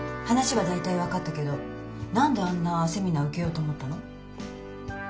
話は大体分かったけど何であんなセミナー受けようと思ったの？